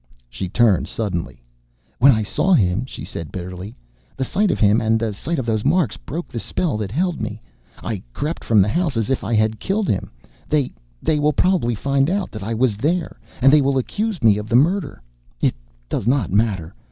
She turned suddenly. "When I saw him," she said bitterly, "the sight of him and the sight of those marks broke the spell that held me. I crept from the house as if I had killed him. They they will probably find out that I was there, and they will accuse me of the murder. It does not matter.